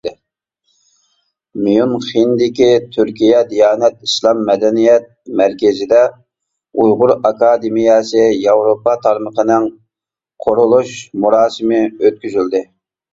ميۇنخېندىكى تۈركىيە دىيانەت ئىسلام مەدەنىيەت مەركىزىدە ئۇيغۇر ئاكادېمىيەسى ياۋروپا تارمىقىنىڭ قۇرۇلۇش مۇراسىمى ئۆتكۈزۈلدى.